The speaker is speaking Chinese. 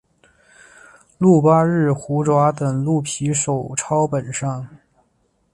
鹿八日虎爪等鹿皮手抄本上。